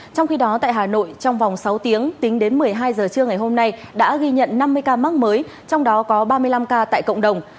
trong khi đó tại hà nội trong vòng sáu tiếng tính đến một mươi hai giờ trưa ngày hôm nay đã ghi nhận năm mươi ca mắc mới trong đó có ba mươi năm ca tại cộng đồng